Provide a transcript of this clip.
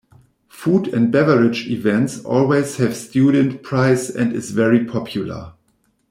Food and beverage events always have student price and is very popular.